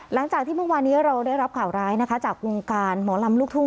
หลังจากที่เมื่อวานนี้เราได้รับข่าวร้ายนะคะจากวงการหมอลำลูกทุ่ง